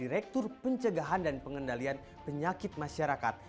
direktur pencegahan dan pengendalian penyakit masyarakat